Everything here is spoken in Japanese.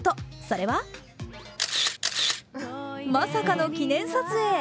それはまさかの記念撮影。